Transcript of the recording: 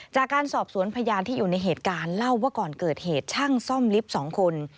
จากการสอบสวนพยานที่อยู่ในเหตุการณ์เล่าว่าก่อนเกิดเหตุช่างซ่อมลิฟต์๒คน